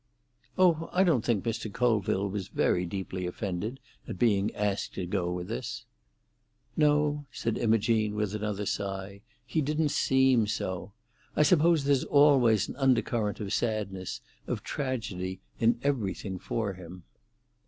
"Oh, I don't think Mr. Colville was very deeply offended at being asked to go with us." "No," said Imogene, with another sigh, "he didn't seem so. I suppose there's always an undercurrent of sadness—of tragedy—in everything for him."